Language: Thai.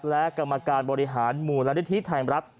และกรรมการบริหารมูลนิธิไทยรัฐ